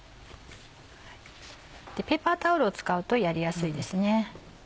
ペーパータオルを使うとやりやすいですね。